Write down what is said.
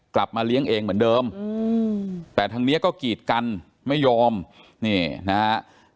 กลับมาเลี้ยงเองเหมือนเดิมแต่ทางนี้ก็กีดกันไม่ยอมนี่นะฮะ